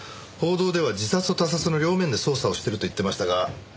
報道では自殺と他殺の両面で捜査をしてると言ってましたが。